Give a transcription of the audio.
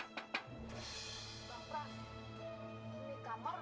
kamar dua bulan kosong bang